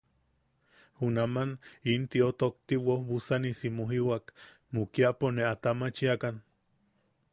Junaman in tio tokti woobusanisi mujiwak, mukiapo ne a tamachiakan.